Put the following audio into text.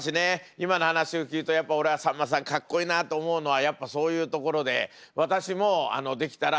今の話を聞くとやっぱ俺はさんまさんかっこいいなと思うのはやっぱそういうところで私もできたら番組中に死にたい。